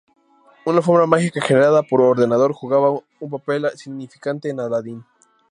Una alfombra mágica generada por ordenador jugaba un papel significante en "Aladdín".